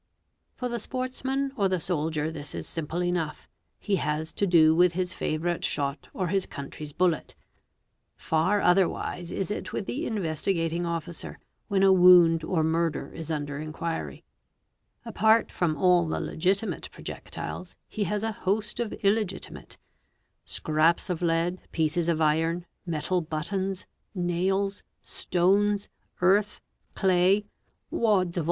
For the sportsman or the soldier this is simple enough, he has to do with his favourite shot or his country's bullet. Far otherwise is it with the Investigating Officer when a wound or murder is under inquiry; apart from all the legitimate projectiles, he has a host of illegitimate; scraps of lead, pieces of iron, metal buttons, nails, stones, earth, clay, wads of